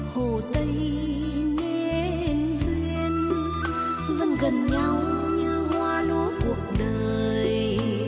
hồ tây nên duyên vẫn gần nhau như hoa lúa cuộc đời